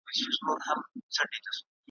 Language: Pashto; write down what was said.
د پیربابا زیارت دی ,